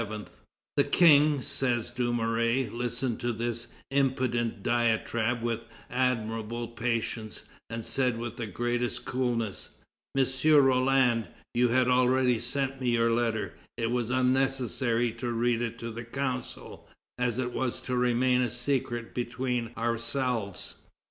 "The King," says Dumouriez, "listened to this impudent diatribe with admirable patience, and said with the greatest coolness: 'M. Roland, you had already sent me your letter; it was unnecessary to read it to the Council, as it was to remain a secret between ourselves.'"